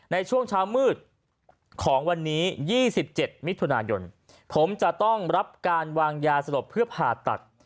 ในช่วงเช้ามืดของวันนี้๒๗มิถุนายนผมจะต้องรับการวางยาสลบเพื่อผ่าตัด